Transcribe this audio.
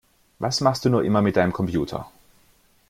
Was machst du nur immer mit deinem Computer?